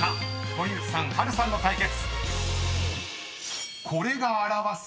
堀内さん波瑠さんの対決］